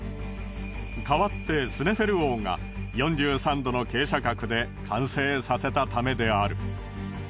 代わってスネフェル王が４３度の傾斜角で完成させたためである。